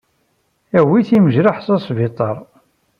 Awyet imejraḥ s asbiṭar.